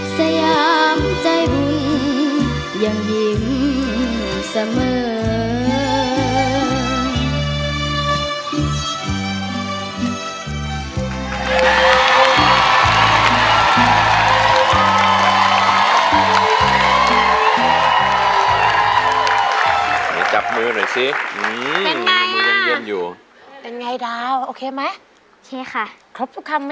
สยามใจดียังยิ้มเสมอ